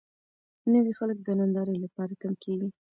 نوي خلک د نندارې لپاره تم کېږي.